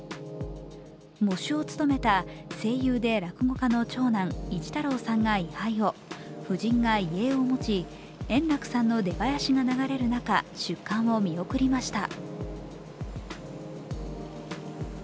喪主を務めた声優で落語家の長男・一太郎さんが位はいを夫人が遺影を持ち、円楽さんの出囃子が流れる中、出棺を見送りました。